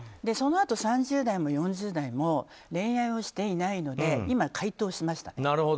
そのあと３０代も４０代も恋愛をしていないので今、解凍しました。